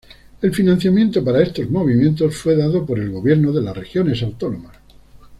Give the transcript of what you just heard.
El financiamiento para estos movimientos fue dado por el gobierno de las regiones autónomas.